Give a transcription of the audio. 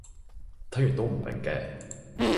睇完都唔明嘅